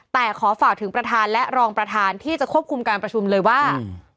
แต่ขอฝากถึงประธานและรองประธานที่จะควบคุมการประชุมเลยว่า